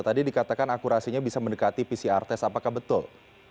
tadi dikatakan akurasinya bisa mendekati pcr test apakah betul